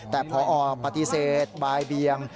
แต่พอปฏิเสธบ่ายเบียง